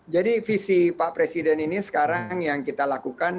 visi pak presiden ini sekarang yang kita lakukan